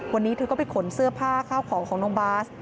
วันนี้เธอก็ไปขนเสื้อผ้าข้าวของของน้องบาส